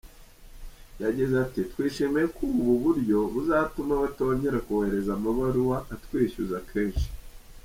Yagize ati “Twishimiye ko ubu buryo buzatuma batongera kohereza amabaruwa atwishyuza kenshi.